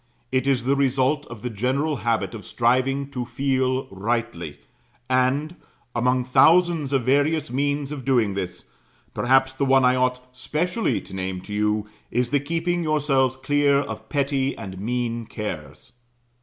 It is the result of the general habit of striving to feel rightly; and, among thousands of various means of doing this, perhaps the one I ought specially to name to you, is the keeping yourselves clear of petty and mean cares.